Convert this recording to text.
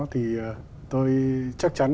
thì tôi chắc chắn